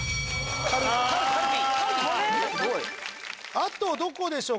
あとどこでしょう？